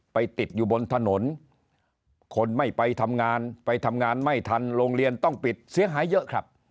ไปติดอยู่บนถนนคนไม่ไปทำงานไปทำงานไม่ทันโรงเรียนต้องปิดเสียหายเยอะครับ